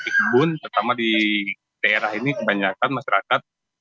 ketimbun terutama di daerah ini kebanyakan masyarakat